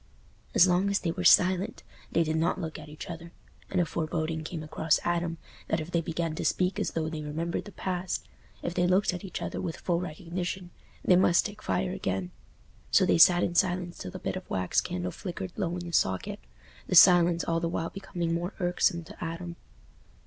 As long as they were silent they did not look at each other, and a foreboding came across Adam that if they began to speak as though they remembered the past—if they looked at each other with full recognition—they must take fire again. So they sat in silence till the bit of wax candle flickered low in the socket, the silence all the while becoming more irksome to Adam.